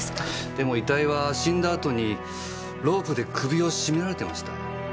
でも遺体は死んだあとにロープで首を絞められてました。